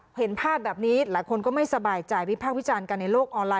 เผ็ดเพลินพักแบบนี้หลายคนก็ไม่สบายใจวิธีภาควิจารณ์กันในโลกออนไลน์